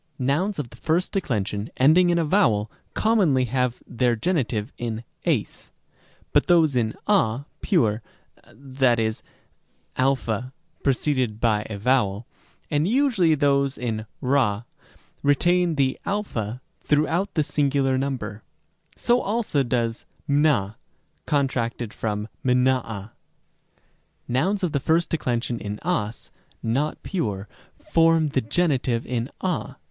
Rem. b. Nouns of the first declension ending in a vowel commonly have their genitive in ys; but those in a pure (7%. 6. a preceded by a vowel), and usually those in pa, retain the a throughout the singular number. So also does μνᾶ, contracted from μνάα. Rem. c. Nouns of the first declension in as not pure form the geni tive in a.